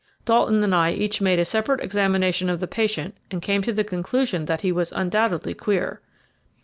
Dalton and I each made a separate examination of the patient, and came to the conclusion that he was undoubtedly queer.